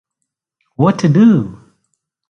What to do?